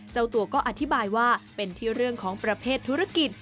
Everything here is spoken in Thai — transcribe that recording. เจ้าตัวก็อธิบายว่าเป็นที่เรื่องของประเภทธุรกิจ